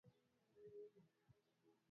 na ukoloni Siku hizi maeneo haya yamepata